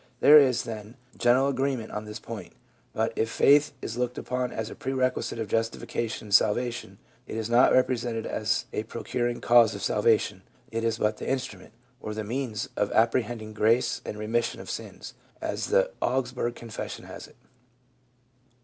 There is, then, general agreement on this point. But if faith is looked upon as a pre requisite of justification and salvation, it is not represented as a procuring cause of salvation ; it is but the instrument, or the means of apprehending grace and re mission of sins, as the Augsburg Confession has it.